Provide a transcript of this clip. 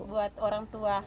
buat orang tua